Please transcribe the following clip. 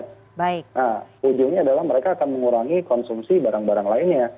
nah ujungnya adalah mereka akan mengurangi konsumsi barang barang lainnya